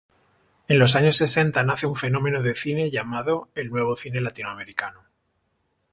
En los años sesenta nace un fenómeno de cine llamado: el nuevo cine latinoamericano.